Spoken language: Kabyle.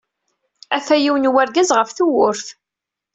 Ata yiwen wergaz ɣef tewwurt.